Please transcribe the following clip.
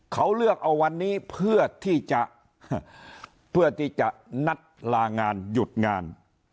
เขาเลือกเอาวันนี้เพื่อที่จะเพื่อที่จะนัดลางานหยุดงาน